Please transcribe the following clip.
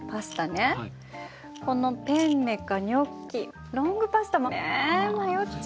ねこのペンネかニョッキロングパスタもね迷っちゃって。